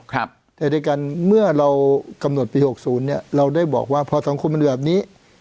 แต่ด้วยกันเมื่อเรากำหนดปี๖๐เนี่ยเราได้บอกว่าพอสังคมมันอยู่แบบนี้